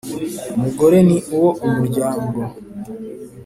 Umugore ni uwo umuryango.